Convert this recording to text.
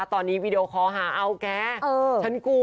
ตอนนี้วีดีโอคอลหาเอาแกฉันกลัว